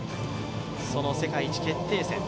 その世界一決定戦。